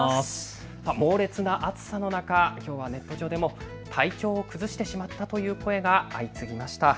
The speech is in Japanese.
猛烈な暑さの中、きょうはネット上でも体調を崩してしまったという声が相次ぎました。